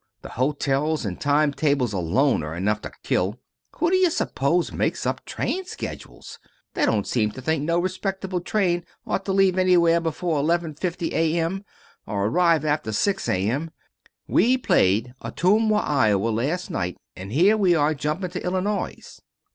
The hotels and time tables alone are enough to kill. Who do you suppose makes up train schedules? They don't seem to think no respectable train ought to leave anywhere before eleven fifty A.M., or arrive after six A.M. We played Ottumwa, Iowa, last night, and here we are jumpin' to Illinois."